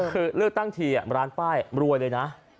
คือเลือกตั้งทีร้านป้ายรวยเลยนะ